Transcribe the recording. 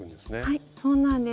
はいそうなんです。